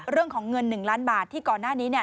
เรื่องของเงิน๑ล้านบาทที่ก่อนหน้านี้เนี่ย